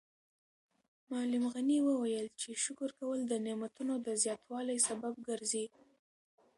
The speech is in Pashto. معلم غني وویل چې شکر کول د نعمتونو د زیاتوالي سبب ګرځي.